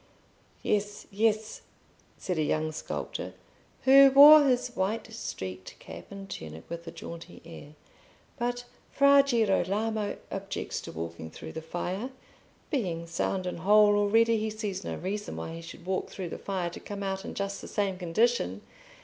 "Yes, yes," said a young sculptor, who wore his white streaked cap and tunic with a jaunty air. "But Fra Girolamo objects to walking through the fire. Being sound and whole already, he sees no reason why he should walk through the fire to come out in just the same condition.